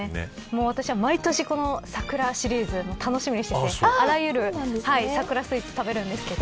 私は毎年、この桜シリーズ楽しみにしていてあらゆる桜スイーツ食べるんですけど。